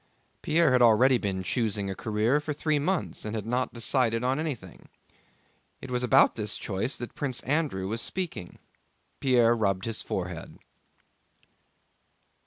Pierre had already been choosing a career for three months, and had not decided on anything. It was about this choice that Prince Andrew was speaking. Pierre rubbed his forehead.